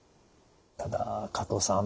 ただ加藤さん